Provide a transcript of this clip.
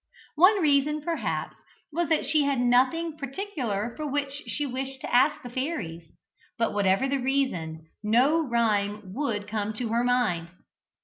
One reason, perhaps, was that she had nothing particular for which she wished to ask the fairies, but, whatever the reason, no rhyme would come to her mind.